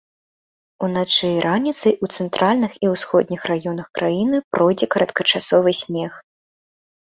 Уначы і раніцай у цэнтральных і ўсходніх раёнах краіны пройдзе кароткачасовы снег.